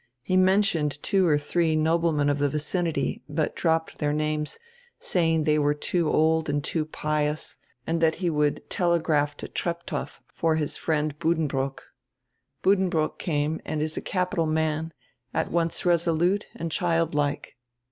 He mentioned two or three noblemen of the vicinity, but dropped their names, saying they were too old and too pious, and that he would telegraph to Trep tow for his friend Buddenbrook. Buddenbrook came and is a capital man, at once resolute and childlike.